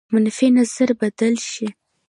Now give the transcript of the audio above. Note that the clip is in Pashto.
منفي نظر بدل شي.